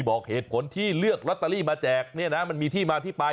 บอกเหตุผลที่เลือกลอตเตอรี่มาแจกมันมีที่มาที่ปลาย